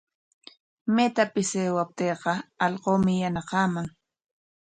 Maytapis aywaptiiqa allquumi yanaqaman.